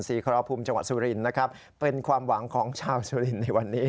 ครพุมจังหวัดสุรินนะครับเป็นความหวังของชาวสุรินทร์ในวันนี้